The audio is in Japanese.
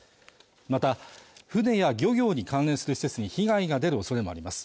また船や漁業に関連する施設に被害が出るおそれもあります